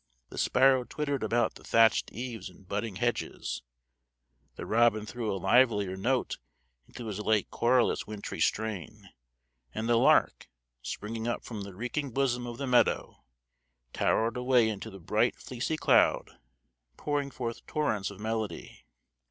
The sparrow twittered about the thatched eaves and budding hedges; the robin threw a livelier note into his late querulous wintry strain; and the lark, springing up from the reeking bosom of the meadow, towered away into the bright fleecy cloud, pouring forth torrents of melody.